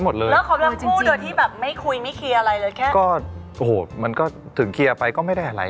เหมือนคุณพ่ออะไรหรอ